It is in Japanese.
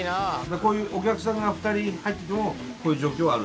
こういうお客さんが２人入っててもこういう状況はある？